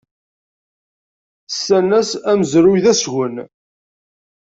Ssan-as amezruy d asgen.